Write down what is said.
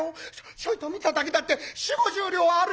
ちょいと見ただけだって４０５０両はあるよ」。